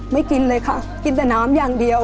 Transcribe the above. กินเลยค่ะกินแต่น้ำอย่างเดียว